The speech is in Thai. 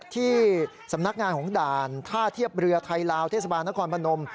ที่สำนักงานของด่านท่าเทียบเรือไทยลาวเทศบาลนครพนม